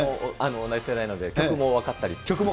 同じ世代なので、曲も分かったり？